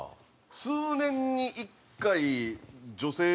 数年に１回女性